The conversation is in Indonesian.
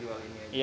jadi jual ini aja